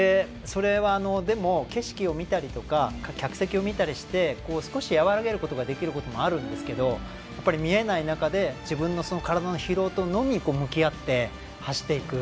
でも、景色を見たりとか客席を見たりして少し和らげることができることもあるんですけど見えない中で自分のその体の疲労とのみ向き合って、走っていく。